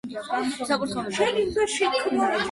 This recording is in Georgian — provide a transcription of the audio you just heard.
საკურთხეველი დარბაზისგან აგურით ნაგები კანკელითაა გამოყოფილი.